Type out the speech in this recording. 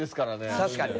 確かにね。